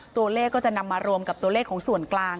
ตัวเลขก็จะนำมารวมกับตัวเลขของส่วนกลาง